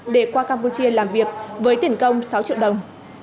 để qua campuchia làm việc với tiền công sáu triệu đồng